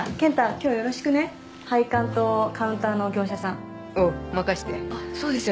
今日よろしくね配管とカウンターの業者さんおう任してそうですよね